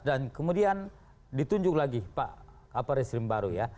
dan kemudian ditunjuk lagi pak kabar reskrim baru ya